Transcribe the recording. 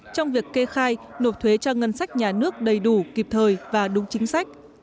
trong việc kê khai nộp thuế cho ngân sách nhà nước đầy đủ kịp thời và đúng chính sách